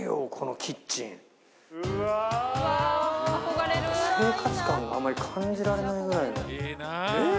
生活感があまり感じられないぐらいの。